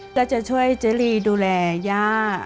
จะช่วยเจรีดูแลย่า